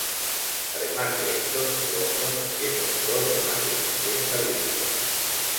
Además de estos, London es autor de más de cincuenta libros.